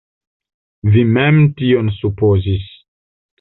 Vi mem tion supozis.